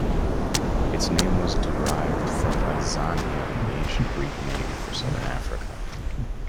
Its name was derived from Azania, the ancient Greek name for Southern Africa.